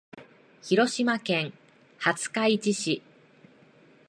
広島県廿日市市